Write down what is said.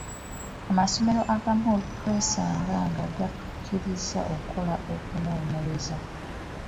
Amasomero agamu twesanga nga gatukkirizza okukola okunoonyereza.